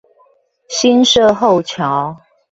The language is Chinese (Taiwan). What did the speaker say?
新社後橋